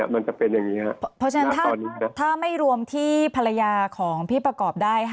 มันจะเป็นอย่างนี้ครับ